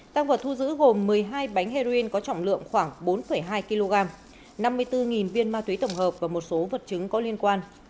tăng vật thu giữ gồm một mươi hai bánh heroin có trọng lượng khoảng bốn hai kg năm mươi bốn viên ma túy tổng hợp và một số vật chứng có liên quan